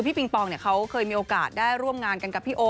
พี่ปิงปองเคยมีโอกาสได้ร่วมงานกับพี่โอ